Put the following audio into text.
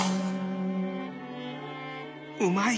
うまい！